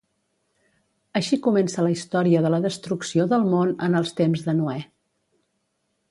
Així comença la història de la destrucció del món en els temps de Noè.